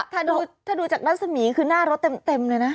ถ้าดูจากบ้านสมีคือหน้ารถเต็มเลยนะ